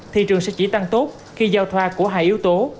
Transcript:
thị trường sẽ chỉ tăng tốt khi giao thoa của hai yếu tố